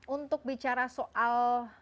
untuk bicara soal